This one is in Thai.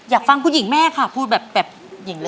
อยากฟังผู้หญิงแม่ค่ะพูดแบบหญิงเลย